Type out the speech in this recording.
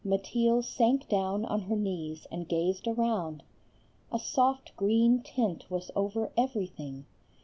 Mateel sank down on her knees and gazed around. A soft green tint was over everything.